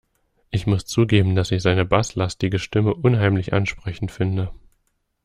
Ich muss zugeben, dass ich seine basslastige Stimme unheimlich ansprechend finde.